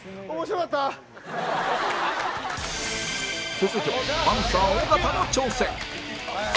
続いてパンサー尾形の挑戦